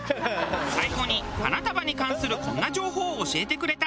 最後に花束に関するこんな情報を教えてくれた。